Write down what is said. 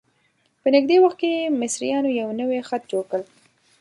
په نږدې وخت کې مصریانو یو نوی خط جوړ کړ.